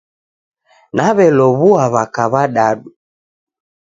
Naw'elow'ua w'aka w'adadu